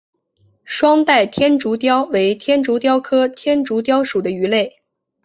双带天竺鲷为天竺鲷科天竺鲷属的鱼类。